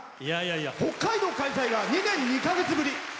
北海道開催が２年２か月ぶり！